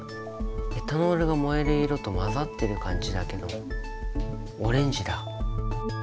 エタノールが燃える色と混ざってる感じだけどオレンジだ。